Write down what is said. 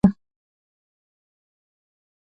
دریشي د ټولنیزو اړیکو ښه وسیله ده.